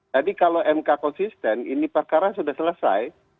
jadi kalau mk konsisten ini perkara sudah selesai